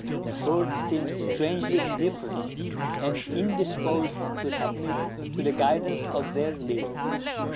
The herd seemed strangely indifferent, and indisposed to submit to the guidance of their leader.